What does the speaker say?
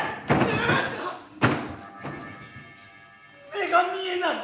目が見えない。